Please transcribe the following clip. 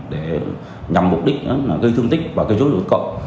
để nhằm mục đích gây thương tích và gây rối rột cậu